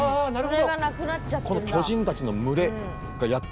それがなくなっちゃってんだ。